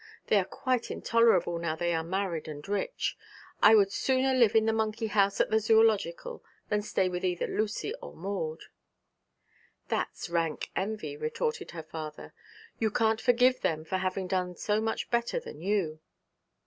They are quite intolerable now they are married and rich. I would sooner live in the monkey house at the Zoological than stay with either Lucy or Maud.' 'That's rank envy,' retorted her father 'You can't forgive them for having done so much better than you.'